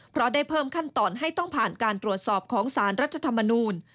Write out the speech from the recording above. เพราะได้เพิ่มขั้นตอนให้ต้องผ่านการตรวจสอบของสารรัฐธรรมนูล